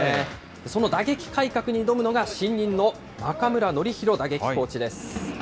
その打撃改革に挑むのが、新任の中村紀洋打撃コーチです。